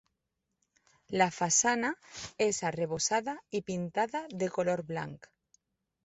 La façana és arrebossada i pintada de color blanc.